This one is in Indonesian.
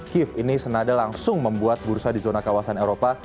kiev ini senada langsung membuat bursa di zona kawasan eropa